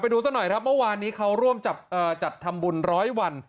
ดูซะหน่อยครับเมื่อวานนี้เขาร่วมจัดทำบุญร้อยวัน